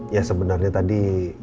ya sebenarnya tadi